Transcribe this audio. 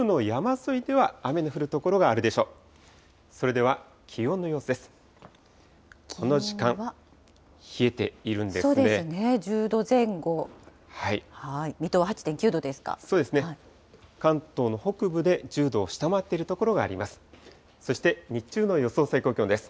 そうですね、関東の北部で１０度を下回っている所があります。